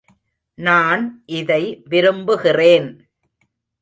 நான் இதை விரும்புகிறேன்.